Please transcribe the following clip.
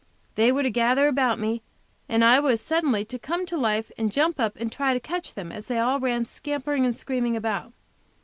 They were to gather about me, and I was suddenly to come to life and jump up and try to catch them as they all ran scampering and screaming about.